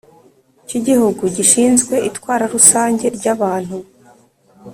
cy Igihugu gishinzwe itwara rusange ry abantu